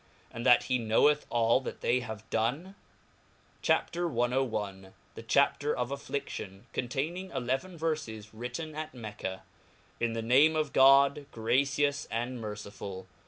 and that he knoweth all that they have done? CHAP. CI. T^e Chapter of eyffflilliotf, containing eleven Verfes, ^ritt^n at Mecca. IN the name of God, gracious and merciful.